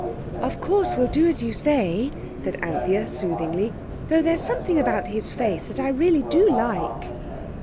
"Of course we'll do as you say," said Anthea soothingly, "though there's something about his face that I really do like."